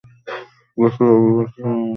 Jassy, রবিবার ছাড়াও আমাদের সঙ্গে দেখা করতে আসিস।